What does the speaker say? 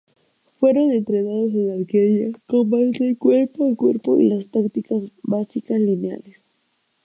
Fueron entrenados en arquería, combate cuerpo a cuerpo y las tácticas básicas lineales.